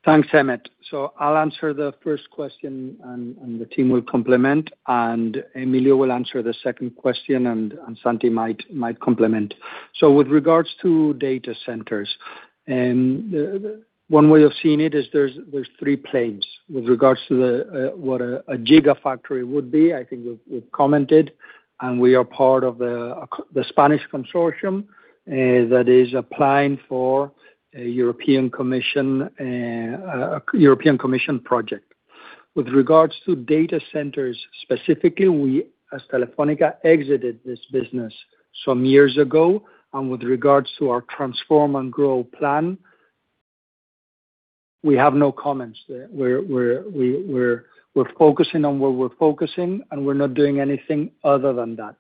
Thanks, Emmet. I'll answer the first question and the team will complement, and Emilio will answer the second question and Santi might complement. With regards to data centers, one way of seeing it is there's three planes. With regards to what a gigafactory would be, I think we've commented, and we are part of the Spanish consortium that is applying for a European Commission project. With regards to data centers, specifically, we, as Telefónica, exited this business some years ago, and with regards to our Transform & Grow plan, we have no comments there. We're focusing on what we're focusing, and we're not doing anything other than that.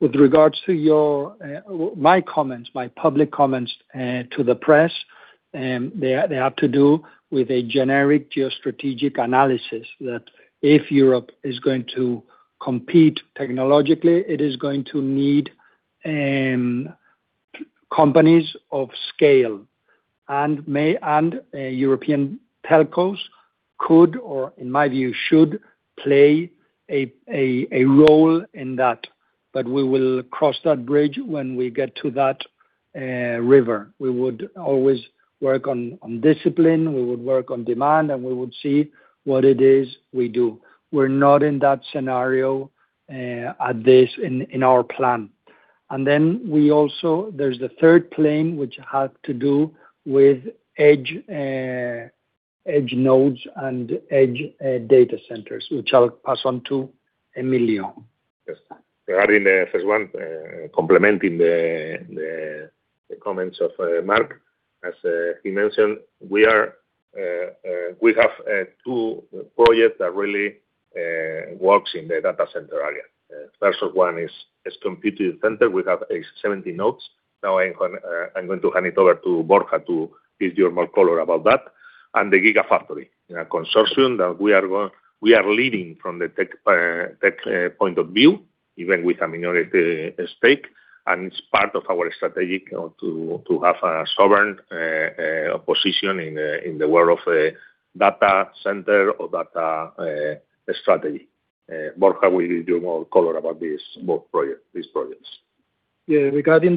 With regards to my comments, my public comments to the press, they have to do with a generic geostrategic analysis that if Europe is going to compete technologically, it is going to need companies of scale. European telcos could or, in my view, should play a role in that. We will cross that bridge when we get to that river. We would always work on discipline, we would work on demand, and we would see what it is we do. We're not in that scenario at this in our plan. There's the third plane, which had to do with edge nodes and edge data centers, which I'll pass on to Emilio. Yes. Regarding the first one, complementing the comments of Marc, as he mentioned, we have two projects that really works in the data center area. First one is computing center. We have 17 nodes. Now, I'm going to hand it over to Borja to give you more color about that, and the Gigafactory, a consortium that we are leading from the tech point of view, even with a minority stake, and it's part of our strategy to have a sovereign position in the world of data center or data strategy. Borja will give you more color about these projects. Yeah. Regarding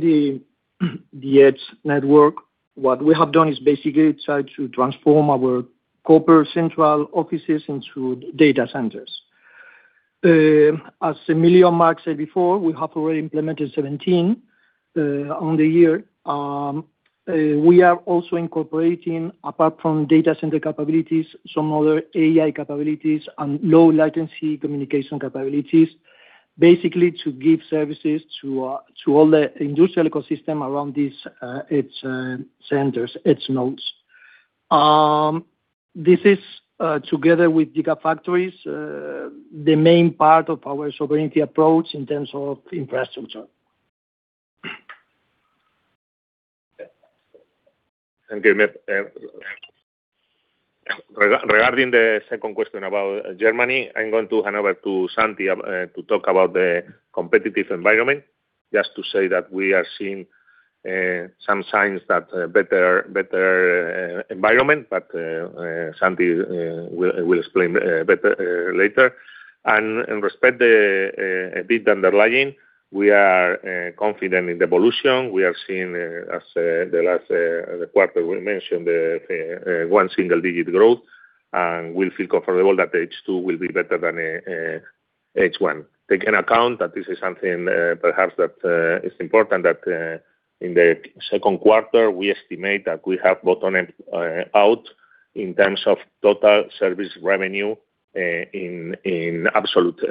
the Edge network, what we have done is basically try to transform our corporate central offices into data centers. As Emilio and Marc said before, we have already implemented 17 on the year. We are also incorporating, apart from data center capabilities, some other AI capabilities and low latency communication capabilities, basically to give services to all the industrial ecosystem around these Edge centers, Edge nodes. This is, together with Gigafactories, the main part of our sovereignty approach in terms of infrastructure. Thank you, Emmet. Regarding the second question about Germany, I'm going to hand over to Santi to talk about the competitive environment. Just to say that we are seeing some signs that better environment. Santi will explain better later. Respect the EBITDA underlying, we are confident in the evolution. We are seeing, as the last quarter we mentioned, one single-digit growth, and we feel comfortable that H2 will be better than H1. Take in account that this is something perhaps that is important that in the second quarter, we estimate that we have bottoming out in terms of total service revenue, in absolute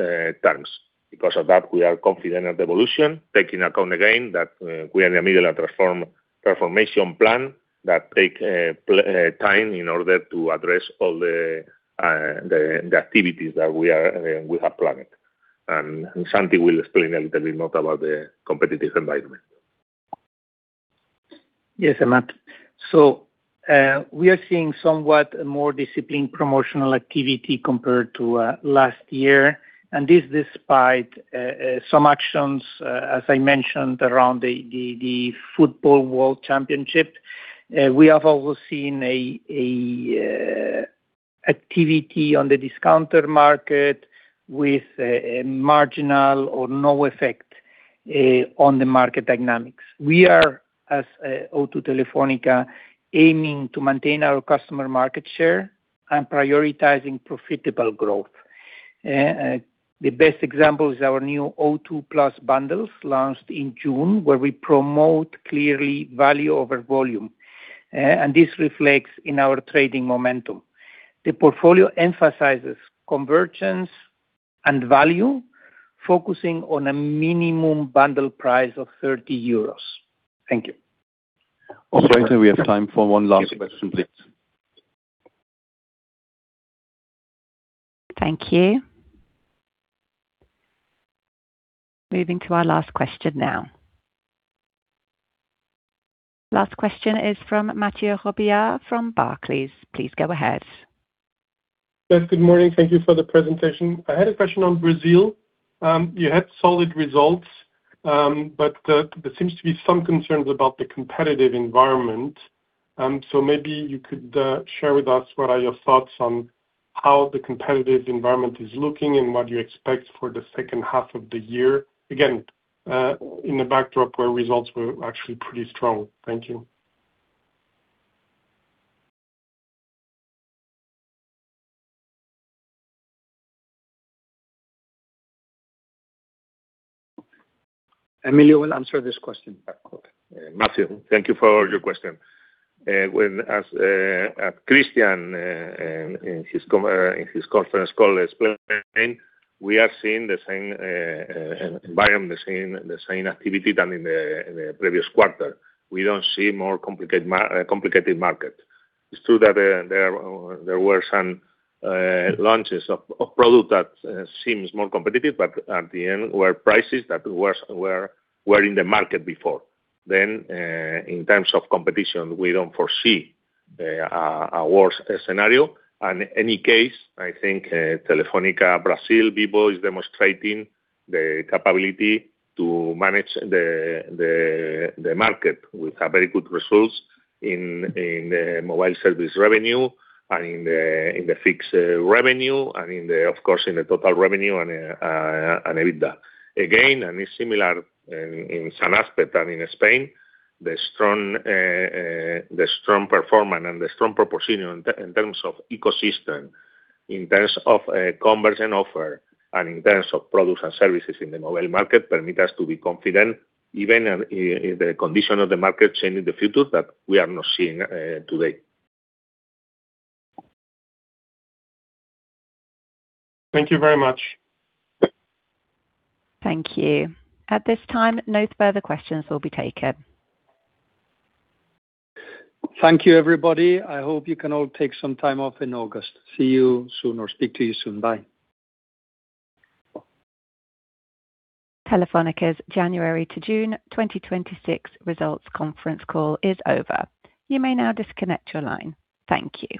terms. Because of that, we are confident of evolution, taking account again that we are in the middle of transformation plan that take time in order to address all the activities that we have planned. Santi will explain a little bit more about the competitive environment. Yes, Emmet. We are seeing somewhat more disciplined promotional activity compared to last year, and this despite some actions, as I mentioned, around the Football World Championship. We have also seen activity on the discounter market with a marginal or no effect on the market dynamics. We are, as O2 Telefónica, aiming to maintain our customer market share and prioritizing profitable growth. The best example is our new O2 Plus Bundles launched in June, where we promote clearly value over volume. This reflects in our trading momentum. The portfolio emphasizes convergence and value, focusing on a minimum bundle price of 30 euros. Thank you. Operator, we have time for one last question, please. Thank you. Moving to our last question now. Last question is from Mathieu Robilliard from Barclays. Please go ahead. Yes, good morning. Thank you for the presentation. I had a question on Brazil. You had solid results, but there seems to be some concerns about the competitive environment. Maybe you could share with us what are your thoughts on how the competitive environment is looking and what you expect for the second half of the year. In a backdrop where results were actually pretty strong. Thank you. Emilio will answer this question. Mathieu, thank you for your question. As Christian, in his conference call explained, we are seeing the same environment, the same activity than in the previous quarter. We don't see more complicated market. It's true that there were some launches of product that seems more competitive, but at the end, were prices that were in the market before. In terms of competition, we don't foresee a worse scenario. In any case, I think Telefônica Brasil people is demonstrating the capability to manage the market with very good results in the mobile service revenue and in the fixed revenue and of course, in the total revenue and EBITDA. Again, it's similar in some aspect than in Spain, the strong performance and the strong proportion in terms of ecosystem, in terms of conversion offer, and in terms of products and services in the mobile market permit us to be confident even in the condition of the market change in the future that we are not seeing today. Thank you very much. Thank you. At this time, no further questions will be taken. Thank you, everybody. I hope you can all take some time off in August. See you soon or speak to you soon. Bye. Telefónica's January to June 2026 results conference call is over. You may now disconnect your line. Thank you.